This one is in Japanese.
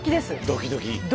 ドキドキ？